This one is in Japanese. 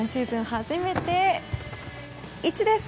初めて、１です。